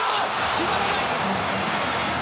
決まらない！